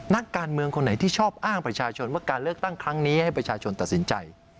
นักการเมืองคนไหนที่ชอบอ้างประชาชนว่าการเลือกตั้งครั้งนี้ให้ประชาชนตัดสินใจ